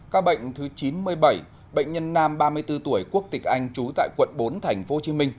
các bệnh thứ chín mươi bảy bệnh nhân nam ba mươi bốn tuổi quốc tịch anh trú tại quận bốn tp hcm